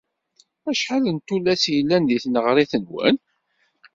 Acḥal n tullas i yellan di tneɣrit-nwen?